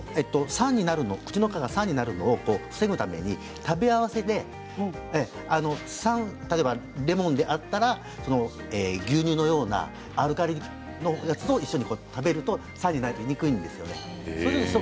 口の中が酸になるのを防ぐために食べ合わせで例えばレモンであったら牛乳のようなアルカリ性のものを食べたりすると酸性になりにくくなります。